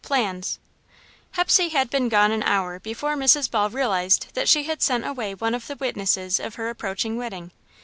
Plans Hepsey had been gone an hour before Mrs. Ball realised that she had sent away one of the witnesses of her approaching wedding.